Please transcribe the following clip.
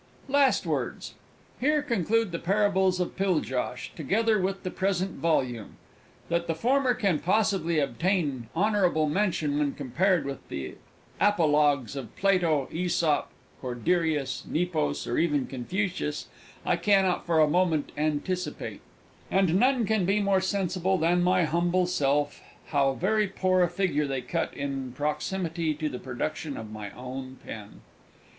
LAST WORDS Here conclude the Parables of Piljosh, together with the present volume. That the former can possibly obtain honble mention when compared with the apologues of Plato, Æsop, Corderius Nepos, or even Confucius, I cannot for a moment anticipate, and none can be more sensible than my humble self how very poor a figure they cut in proximity to the production of my own pen!